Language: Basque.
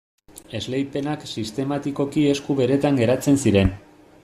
Esleipenak sistematikoki esku beretan geratzen ziren.